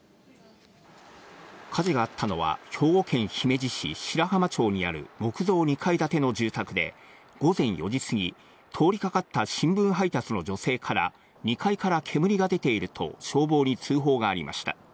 火事があったのは兵庫県姫路市白浜町にある木造２階建ての住宅で、午前４時すぎ、通りかかった新聞配達の女性から、２階から煙が出ていると消防に通報がありました。